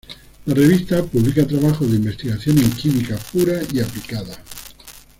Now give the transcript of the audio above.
La revista publica trabajos de investigación en química pura y aplicada.